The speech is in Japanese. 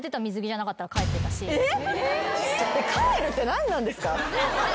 帰るって何なんですか？